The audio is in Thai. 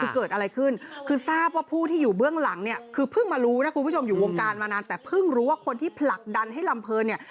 คือเกิดอะไรขึ้นคือทราบว่าผู้ที่อยู่เบื้องหลังเนี่ยคือเพิ่งมารู้นะคุณผู้ชมอยู่วงการมานานแต่เพิ่งรู้ว่าคนที่ผลักดันให้ลำเพลินเนี่ย